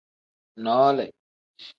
Noole.